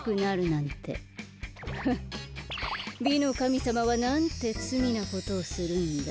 フッ美のかみさまはなんてつみなことをするんだ。